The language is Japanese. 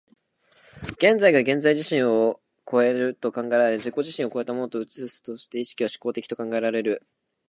現在が現在自身を越えると考えられ、自己自身を越えたものを映すとして、意識は志向的と考えられる。